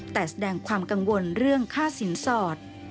แต่แสดงความกังวลเรื่องค่าสินสอด